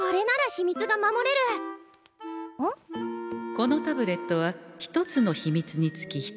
このタブレットは１つの秘密につき１粒。